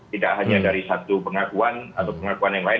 tidak hanya dari satu pengakuan atau pengakuan yang lain